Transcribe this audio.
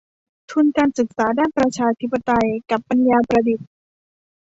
ทุนการศึกษาด้านประชาธิปไตยกับปัญญาประดิษฐ์